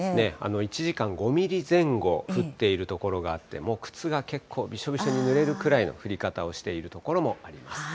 １時間５ミリ前後降っている所があって、もう靴が結構びしょびしょにぬれるくらいの降り方をしている所もあります。